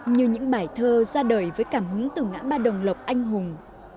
như những bài thơ ra đời với cảm hứng từ ngã ba đồng lộc anh hùng